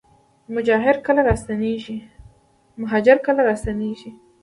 مهاجر کله راستنیږي؟